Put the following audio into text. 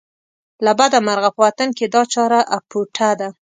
له بده مرغه په وطن کې دا چاره اپوټه ده.